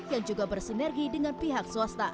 yang juga bersinergi dengan pihak swasta